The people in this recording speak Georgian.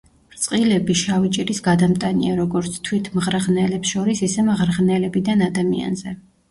რწყილები შავი ჭირის გადამტანია როგორც თვით მღრღნელებს შორის, ისე მღრღნელებიდან ადამიანზე.